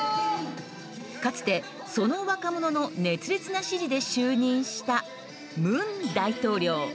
かつてその若者の熱烈な支持で就任したムン大統領。